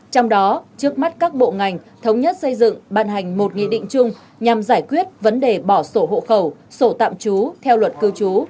trong đó trước mắt các bộ ngành thống nhất xây dựng ban hành một nghị định chung nhằm giải quyết vấn đề bỏ sổ hộ khẩu sổ tạm trú theo luật cư trú